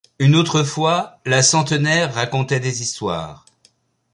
Une autre fois, la centenaire racontait des histoires.